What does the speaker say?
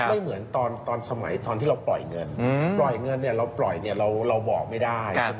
ไม่เหมือนว่าปล่อยเงินเราปล่อยนี่เราก็บอกไม่ได้